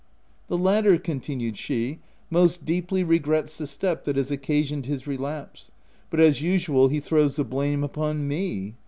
" The latter/* continued she, " most deeply regrets the step that has occasioned his relapse, — but, as usual, he throws the blame upon me.